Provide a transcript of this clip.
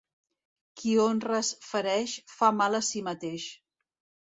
Qui honres fereix, fa mal a si mateix.